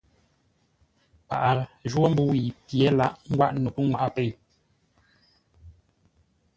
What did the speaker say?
Paghʼə jwó mbə́ʉ yi pye laghʼ ngwáʼ no pənŋwaʼa pêi.